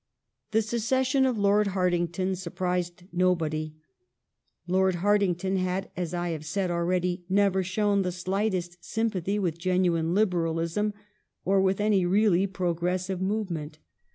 The secession of Lord Hartington surprised nobody. Lord Hartington had, as I have said already, never shown the slightest sympathy with genuine Liberalism or with any really progressive movement.